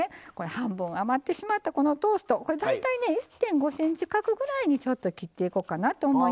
半分余ってしまったこのトースト大体１．５ｃｍ角ぐらいにちょっと切っていこうかなと思います。